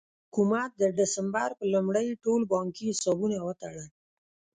حکومت د ډسمبر په لومړۍ ټول بانکي حسابونه وتړل.